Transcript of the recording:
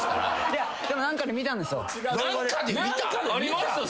いやでも何かで見たんですよ。